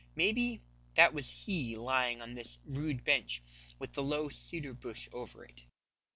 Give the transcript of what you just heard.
Maybe that was he lying on this rude bench with the low cedar bush over it.